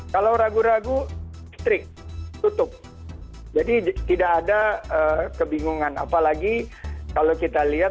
kalau ragu ragu listrik tutup jadi tidak ada kebingungan apalagi kalau kita lihat